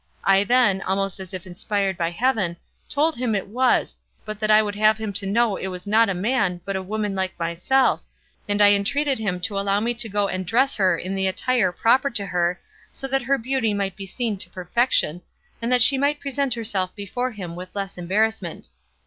I then, almost as if inspired by heaven, told him it was, but that I would have him to know it was not a man, but a woman like myself, and I entreated him to allow me to go and dress her in the attire proper to her, so that her beauty might be seen to perfection, and that she might present herself before him with less embarrassment.